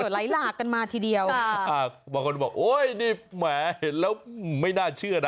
ไหลหลากกันมาทีเดียวบางคนบอกโอ๊ยนี่แหมเห็นแล้วไม่น่าเชื่อนะ